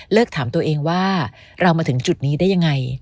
ถามตัวเองว่าเรามาถึงจุดนี้ได้ยังไง